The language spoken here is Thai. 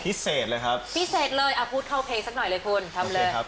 พิเศษเลยครับพิเศษเลยอ่ะพูดเข้าเพลงสักหน่อยเลยคุณทำเลยครับ